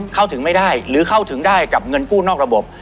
เข้าถึงไม่ได้หรือเข้าถึงได้กับเงินกู้นอกระบบ